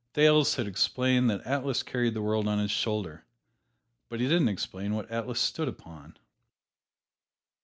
Thales had explained that Atlas carried the world on his shoulder, but he didn't explain what Atlas stood upon.